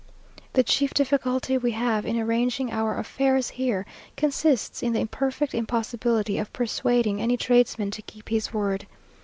The chief difficulty we have in arranging our affairs here, consists in the perfect impossibility of persuading any tradesman to keep his word.